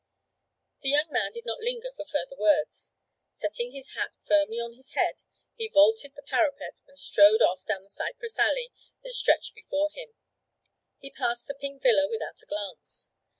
The young man did not linger for further words. Setting his hat firmly on his head, he vaulted the parapet and strode off down the cypress alley that stretched before him; he passed the pink villa without a glance.